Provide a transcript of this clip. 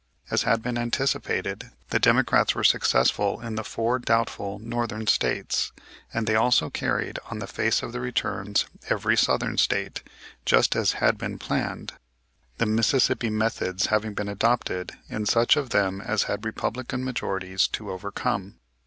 As had been anticipated, the Democrats were successful in the four doubtful Northern States, and they also carried, on the face of the returns, every Southern State, just as had been planned; the Mississippi methods having been adopted in such of them as had Republican majorities to overcome.